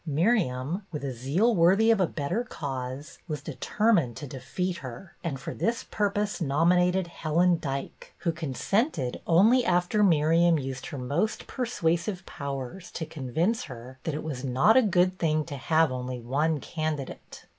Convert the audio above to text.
Miriam, with a zeal worthy of a better cause, was determined to defeat her, and for this purpose nominated Helen Dyke, who consented only after Miriam had BETTY BAIRD 254 used her most persuasive powers to convince her that it was not a good thing to have only one candidate.